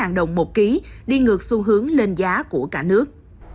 xuống còn bốn mươi chín đồng một ký đi ngược xu hướng lên giá của cả nước